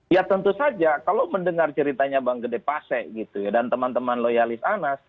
ya tentu saja kalau mendengar ceritanya bang gede pase gitu ya dan teman teman loyalis anas